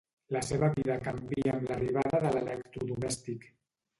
La seva vida canvia amb l'arribada de l'electrodomèstic.